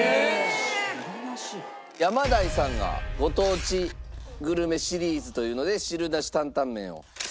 ヤマダイさんがご当地グルメシリーズというので汁なし担担麺を。